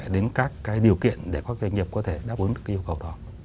đến các cái điều kiện để các doanh nghiệp có thể đáp ứng được cái yêu cầu đó